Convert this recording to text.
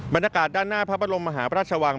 บรรยากาศด้านหน้าพระบรมมหาพระราชวัง